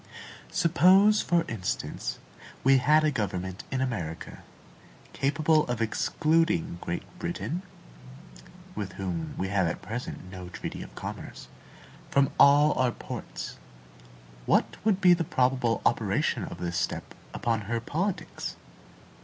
Suppose, for instance, we had a government in America, capable of excluding Great Britain (with whom we have at present no treaty of commerce) from all our ports; what would be the probable operation of this step upon her politics?